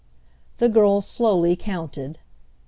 The girl slowly counted.